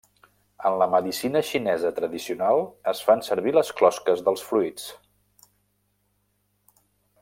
En la medicina xinesa tradicional es fan servir les closques dels fruits.